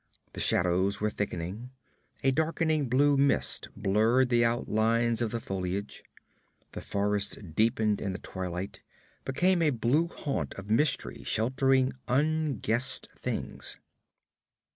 The shadows were thickening. A darkening blue mist blurred the outlines of the foliage. The forest deepened in the twilight, became a blue haunt of mystery sheltering unguessed things.